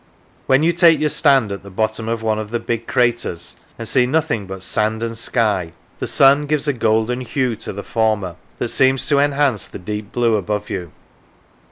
When you take your stand at the bottom of one of the big craters, and see nothing but sand and sky, the sun gives a golden hue to the former, that seems to enhance the deep blue above you.